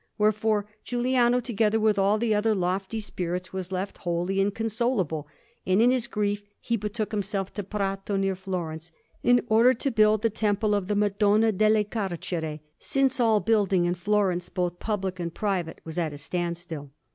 Wherefore Giuliano, together with all the other lofty spirits, was left wholly inconsolable; and in his grief he betook himself to Prato, near Florence, in order to build the Temple of the Madonna delle Carcere, since all building in Florence, both public and private, was at a standstill.